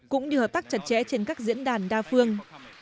cũng như hợp tác chặt chẽ trên các diễn đàn đa phương